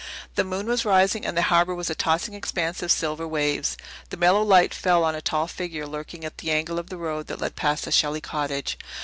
The moon was rising and the harbour was a tossing expanse of silver waves. The mellow light fell on a tall figure lurking at the angle of the road that led past the Shelley cottage.